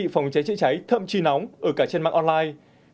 các sản phòng cháy chữa cháy thậm chí nóng ở cả trên mạng online